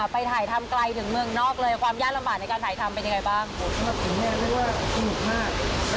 ไปถ่ายทำไกลถึงเมืองนอกเลยความยากลำบากในการถ่ายทำเป็นยังไงบ้างสนุกมาก